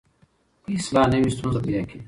که اصلاح نه وي ستونزه پیدا کېږي.